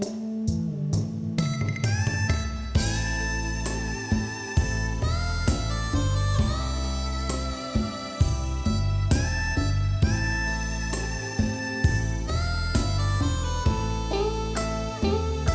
เพลงที่๙